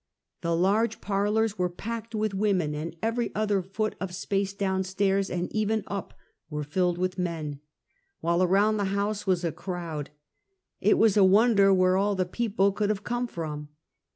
The large par lors were packed with women, and every other foot of space downstairs and even up, were filled with men, while aronnd the house was a crowd. It was a won der where all the peoj)le could have come from.